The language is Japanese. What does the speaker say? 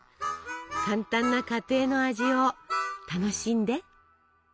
簡単な家庭の味を楽しんで。